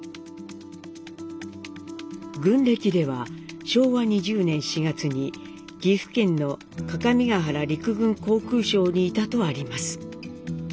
軍歴では昭和２０年４月に岐阜県の各務原陸軍航空廠にいたとあります。